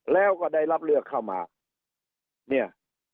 แล้วก็ได้รับเลือกเข้ามาเนี่ย